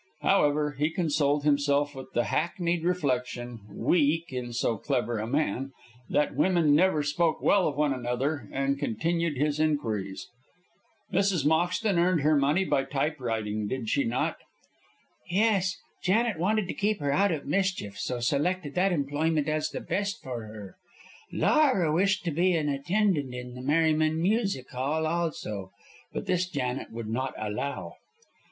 However, he consoled himself with the hackneyed reflection, weak in so clever a man, that women never spoke well of one another, and continued his inquiries. "Mrs. Moxton earned her money by typewriting, did she not?" "Yes. Janet wanted to keep her out of mischief, so selected that employment as the best for her. Laura wished to be an attendant in the Merryman Music Hall, also, but this Janet would not allow."